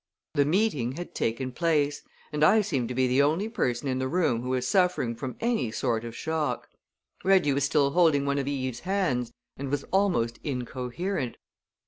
The meeting had taken place and I seemed to be the only person in the room who was suffering from any sort of shock. Reggie was still holding one of Eve's hands and was almost incoherent.